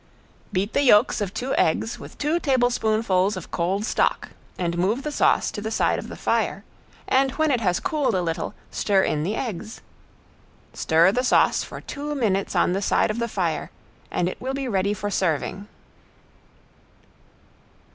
Beat the yolks of two eggs with two tablespoonfuls of cold stock, and move the sauce to the side of the fire, and when it has cooled a little, stir in the eggs. Stir the sauce for two minutes on the side of the fire, and it will be ready for serving.